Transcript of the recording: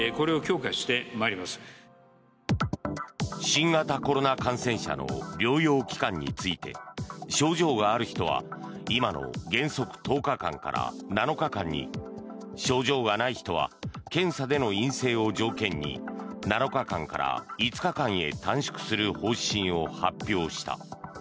新型コロナ感染者の療養期間について症状がある人は今の原則１０日間から７日間に症状がない人は検査での陰性を条件に７日間から５日間へ短縮する方針を発表した。